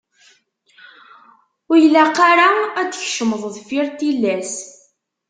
Ur ilaq ad d-tkecmeḍ deffir n tillas.